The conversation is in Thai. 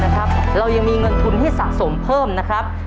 ครับ